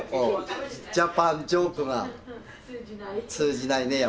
ジャパンジョークが通じないねやっぱりね。